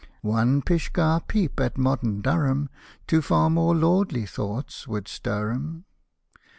One Pisgah peep at modern Durham To far more lordly thoughts would stir 'em.